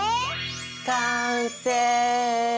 完成！